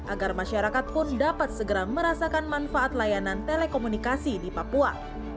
agar masyarakat pun dapat segera merasakan manfaat layanan telekomunikasi di papua